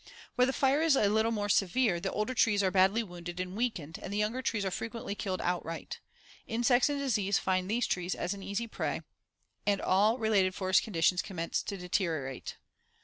Where the fire is a little more severe, the older trees are badly wounded and weakened and the younger trees are frequently killed outright. Insects and disease find these trees an easy prey, and all related forest conditions commence to deteriorate.